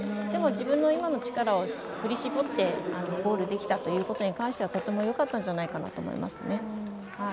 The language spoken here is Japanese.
でも自分の今の力を振り絞ってゴールできたというのはとてもよかったんじゃないかと思いますね。